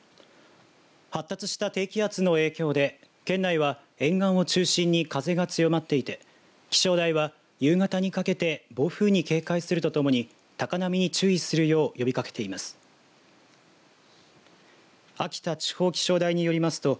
発達した低気圧の影響で県内は、沿岸を中心に風が強まっていて気象台は夕方にかけて暴風に警戒するとともに高波に注意するよう呼びかけています。